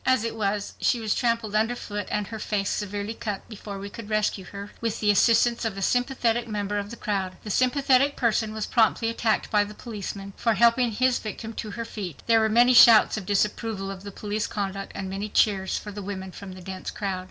As it was, she was trampled under foot and her face severely cut before we could rescue her with the assistance of a sympathetic member of the crowd. The sympathetic person was promptly attacked by the policeman for helping his victim to her feet. There were many shouts of disapproval of the police conduct and many cheers for the women from the dense crowd.